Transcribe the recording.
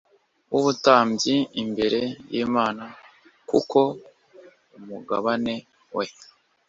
w ubutambyi imbere y Imana kuko umugabane we